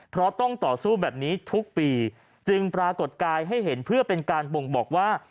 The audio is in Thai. เพราะต้องต่อสู้แบบนี้ทุกปีจึงปรากฏกายให้เห็นเพื่อเป็นการบ่งบอกว่า